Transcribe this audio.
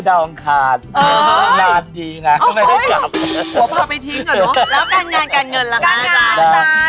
แล้วการเงินละคะอาจารย์